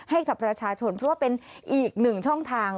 ให้กับประชาชนเพราะว่าเป็นอีกหนึ่งช่องทาง